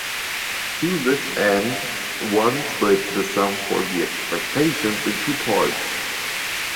To this end one splits the sum for the expectation in two parts.